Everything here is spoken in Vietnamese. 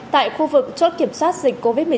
tại khu vực chốt kiểm soát dịch covid một mươi chín